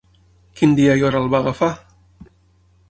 Quin dia i hora el va agafar?